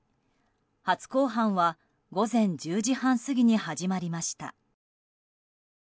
初公判は午前１０時半過ぎに始まりました。